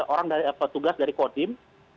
orang petugas dari kodim